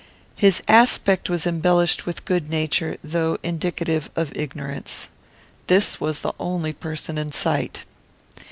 His aspect was embellished with good nature, though indicative of ignorance. This was the only person in sight.